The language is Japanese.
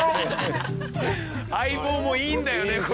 相棒もいいんだよね